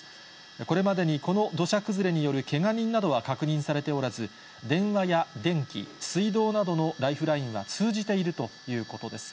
これまでにこの土砂崩れによるけが人などは確認されておらず、電話や電気、水道などのライフラインは通じているということです。